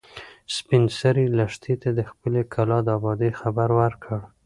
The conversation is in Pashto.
سپین سرې لښتې ته د خپلې کلا د ابادۍ خبر ورکړ.